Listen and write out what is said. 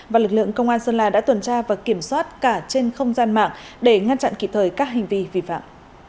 và lực lượng công an sơn la đã tuần tra và kiểm soát cả trên không gian mạng để ngăn chặn kịp thời các hành vi vi phạm